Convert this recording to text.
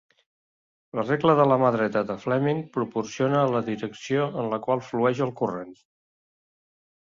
La regla de la mà dreta de Fleming proporciona la direcció en la qual flueix el corrent.